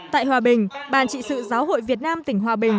tại hòa bình ban trị sự giáo hội việt nam tỉnh hòa bình